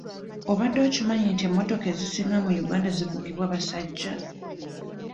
Obadde okimanyi nti emmotoka ezisinga mu Uganda zivugibwa basajja?